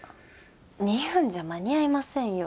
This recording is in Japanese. ２分じゃ間に合いませんよ。